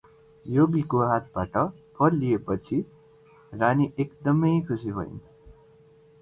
योगीको हातबाट फल लिएपछि रानी एकदमै खुसी भइन् ।